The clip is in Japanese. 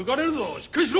しっかりしろ！